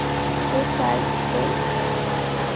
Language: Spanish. Que sais-je?